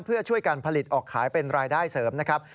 เพื่อช่วยการผลิตออกขายเป็นรายได้เสริมนะครับ